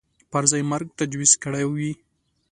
پر ځای مرګ تجویز کړی وي